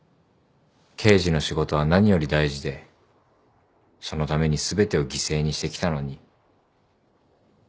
「刑事の仕事は何より大事でそのために全てを犠牲にしてきたのに」